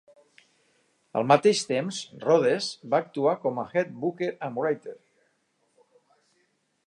Al mateix temps, Rhodes va actuar com a "head booker and writer".